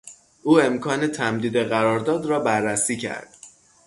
او امکان تمدید قرارداد را بررسی کرد.